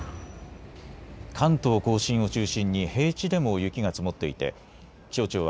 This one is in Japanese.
関東甲信を中心に平地でも雪が積もっていて気象庁は